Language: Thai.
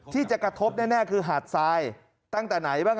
ที่จะกระทบแน่คือหาดทรายตั้งแต่ไหนบ้าง